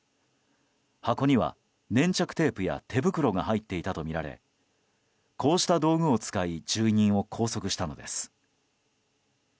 箱には粘着テープや手袋が入っていたとみられこうした道具を使い住人を拘束したのです。